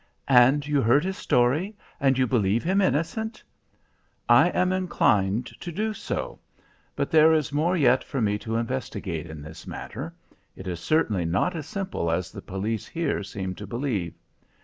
"And you heard his story? And you believe him innocent?" "I am inclined to do so. But there is more yet for me to investigate in this matter. It is certainly not as simple as the police here seem to believe.